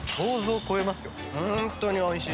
ホントにおいしい！